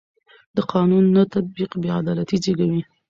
د قانون نه تطبیق بې عدالتي زېږوي